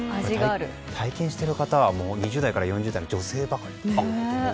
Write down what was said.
体験している方は２０代から４０代の女性ばかりで。